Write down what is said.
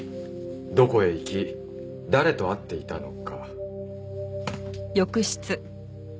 どこへ行き誰と会っていたのか。